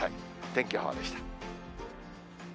天気予報でした。